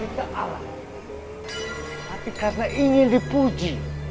tapi karena ingin dipuji